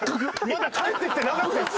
まだ帰ってきてなかったんですよ。